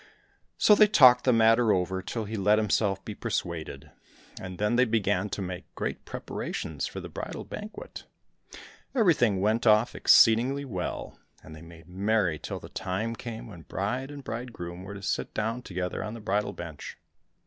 So they talked the matter 1 60 THE IRON WOLF over till he let himself be persuaded, and then they began to make great preparations for the bridal banquet. Everything went off excellently well, and they made merry till the time came when bride and bridegroom were to sit down together on the bridal bench.